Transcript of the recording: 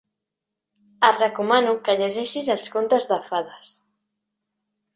Et recomano que llegeixis els conte de fades.